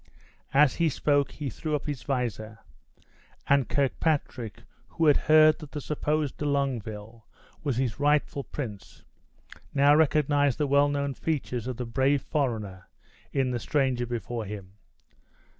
As he spoke he threw up his visor; and Kirkpatrick, who had heard that the supposed De Longueville was his rightful prince, now recognized the well known features of the brave foreigner in the stranger before him.